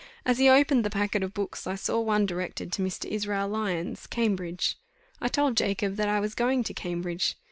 As he opened the packet of books, I saw one directed to Mr. Israel Lyons, Cambridge. I told Jacob that I was going to Cambridge.